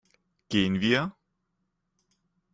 Gehen wir?